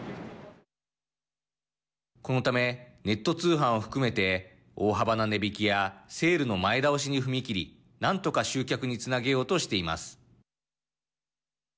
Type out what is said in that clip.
このため、ネット通販を含めて大幅な値引きやセールの前倒しに踏み切り何とか集客につなげようとしています。